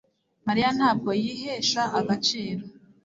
Mariya ntabwo yihesha agaciro